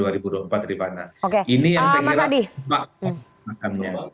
ini yang saya ingin maksudkan